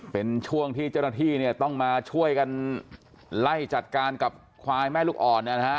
เป็นช่วงที่เจ้าหน้าที่เนี่ยต้องมาช่วยกันไล่จัดการกับควายแม่ลูกอ่อนเนี่ยนะฮะ